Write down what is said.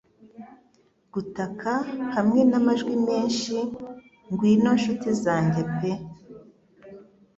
Gutaka hamwe n'amajwi menshi. Ngwino nshuti zanjye pe